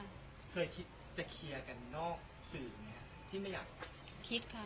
เคยคิดจะเคลียร์กันนอกสื่ออย่างนี้ที่ไม่อยาก